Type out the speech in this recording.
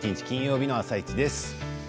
金曜日の「あさイチ」です。